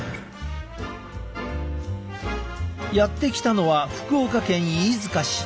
やって来たのは福岡県飯塚市。